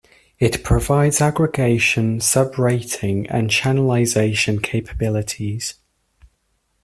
It provides aggregation, sub-rating and channelization capabilities.